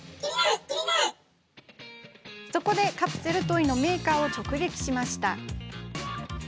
そこでカプセルトイのメーカーを直撃しました。